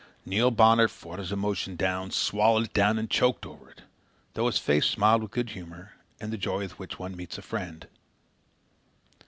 Neil Bonner fought his emotion down, swallowed it down, and choked over it, though his face smiled with good humour and the joy with which one meets a friend.